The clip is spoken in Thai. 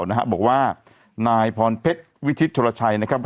มีเป็นก่อนผิดที่เถอะละชัยนะครับ